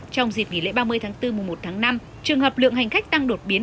trong dịp nghỉ lễ ba mươi tháng bốn mùa một tháng năm trường hợp lượng hành khách tăng đột biến